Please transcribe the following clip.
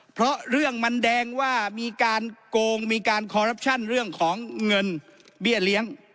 เพราะเรื่องมันแดงว่ามีการโกงมีการคอรัปชั่นเรื่องของเงินเบี้ยเลี้ยง